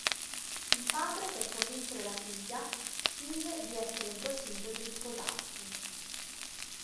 Il padre per convincere la figlia finge di essere in procinto di risposarsi.